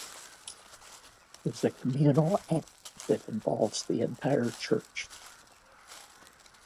It is a communal act that involves the entire Church.